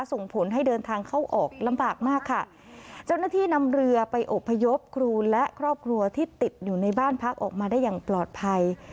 ส่งผลให้เดินทางเข้าออกลำบากมากค่ะเจ้าหน้าที่นำเรือไปอบพยพครูและครอบครัวที่ติดอยู่ในบ้านพักออกมาได้อย่างปลอดภัย